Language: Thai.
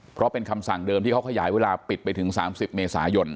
เพราะเป็นคำสั่งเดิมที่เขาขยายเวลาปิดไปถึง๓๐เมษายน